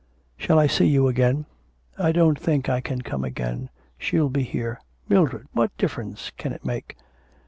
'Shall I see you again?' 'I don't think I can come again. She'll be here.' 'Mildred! What difference can it make?'